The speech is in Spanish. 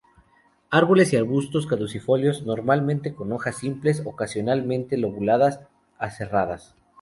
Árboles y arbustos caducifolios, normalmente con hojas simples, ocasionalmente lobuladas, aserradas.